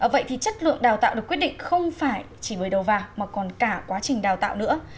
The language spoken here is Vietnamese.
vậy thì chất lượng đào tạo được quyết định không phải chỉ bởi đầu vào mà còn cả quá trình đào tạo nữa